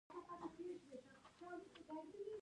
ازادي راډیو د بیکاري ته پام اړولی.